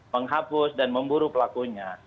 menghapus dan memburu pelakunya